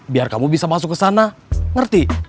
biar kamu bisa masuk ke sana ngerti